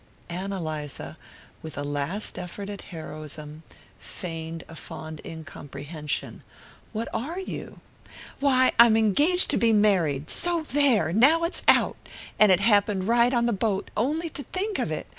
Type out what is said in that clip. Ann Eliza, with a last effort of heroism, feigned a fond incomprehension. "What ARE you?" "Why, I'm engaged to be married so there! Now it's out! And it happened right on the boat; only to think of it!